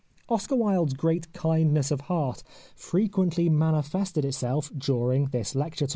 Oscar Wilde's great kindness of heart fre quently manifested itself during this lecture tour.